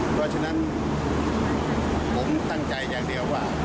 เพราะฉะนั้นผมตั้งใจอย่างเดียวว่า